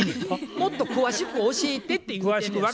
もっと詳しく教えてって言うてんねや。